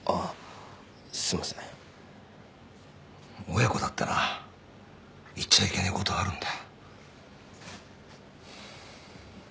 親子だってな言っちゃいけねえことあるんだ。